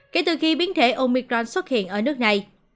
kể từ khi biến thể omicron xuất hiện ở nước này